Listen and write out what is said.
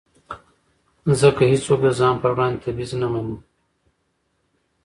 ځکه هېڅوک د ځان پر وړاندې تبعیض نه مني.